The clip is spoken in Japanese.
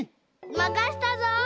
まかしたぞ！